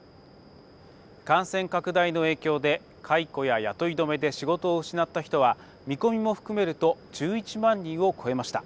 感染拡大の影響で解雇や雇い止めで仕事を失った人は見込みも含めると１１万人を超えました。